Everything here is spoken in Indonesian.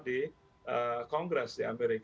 di kongres di amerika